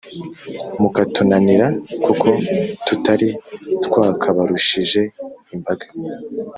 mukatunanira, kuko tutari twakabarushije imbaga